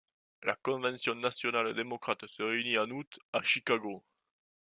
La convention nationale démocrate se réunit en août, à Chicago.